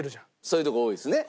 そういう所多いですね。